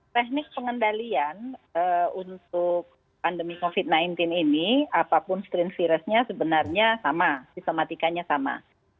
teknik pengendalian untuk pandemi covid sembilan belas ini apapun strain virusnya sebenarnya sama sistematikanya sama